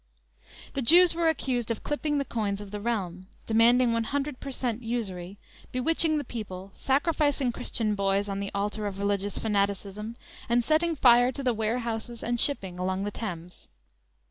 The Jews were accused of clipping the coins of the realm, demanding one hundred per cent. usury, bewitching the people, sacrificing Christian boys on the altar of religious fanaticism and setting fire to the warehouses and shipping along the Thames.